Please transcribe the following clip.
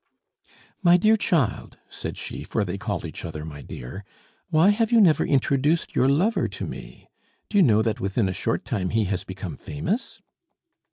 "My dear child," said she, for they called each my dear, "why have you never introduced your lover to me? Do you know that within a short time he has become famous?"